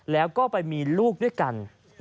แล้วก็ไปมีลูกด้วยกัน